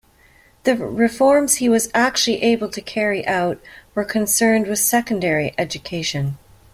The reforms he was actually able to carry out were concerned with secondary education.